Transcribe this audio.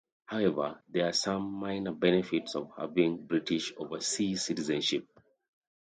However, there are some minor benefits to having British Overseas Citizenship.